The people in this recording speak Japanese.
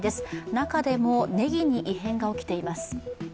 中でもねぎに異変が起きています。